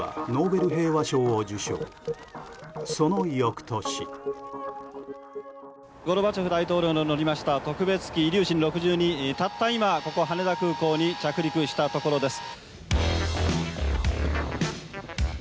ゴルバチョフ大統領の乗りました特別機「イリューシン６２」がたった今、羽田空港に着陸したところです。